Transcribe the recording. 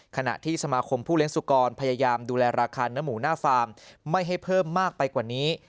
ขณะที่สมาคมผู้เลี้ยสุกรพยายามดูแลราคาเนื้อหมูหน้าฟาร์มไม่ให้เพิ่มมากไปกว่านี้